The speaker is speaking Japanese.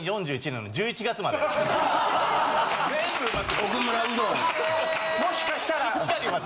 ４１年の１１月まであんの？